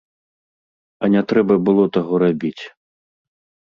А не трэба было таго рабіць.